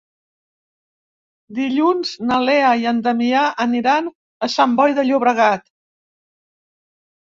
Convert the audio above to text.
Dilluns na Lea i en Damià aniran a Sant Boi de Llobregat.